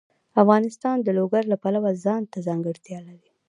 افغانستان د لوگر د پلوه ځانته ځانګړتیا لري.